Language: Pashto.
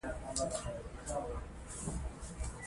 افغانستان د قومونه په اړه مشهور تاریخی روایتونه لري.